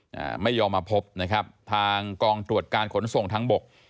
ไปแล้วนะครับไม่ยอมมาพบนะครับทางกองตรวจการขนส่งทางบก